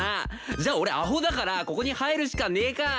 じゃあ俺アホだからここに入るしかねえか。